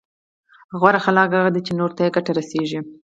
غوره خلک هغه دي چي نورو ته يې ګټه رسېږي